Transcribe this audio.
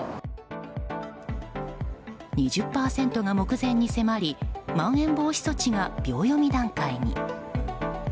２０％が目前に迫りまん延防止措置が秒読み段階に。